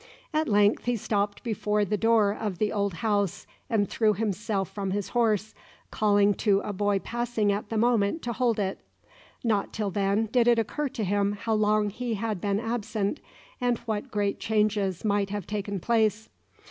At length he stopped before the door of the old house and threw himself from his horse, calling to a boy passing at the moment to hold it. Not till then did it occur to him how long he had been absent, and what great changes might have taken place.